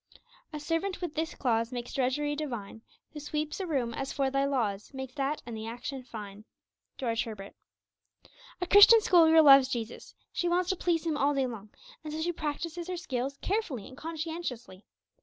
'A servant with this clause Makes drudgery divine; Who sweeps a room as for Thy laws, Makes that and the action fine.' George Herbert. A Christian school girl loves Jesus; she wants to please Him all day long, and so she practices her scales carefully and conscientiously.